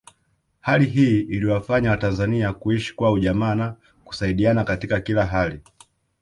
Hali hii iliwafanya watanzania kuishi kwa ujamaa na kusaidiana katika kila hali